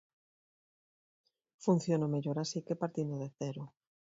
Funciono mellor así que partindo de cero.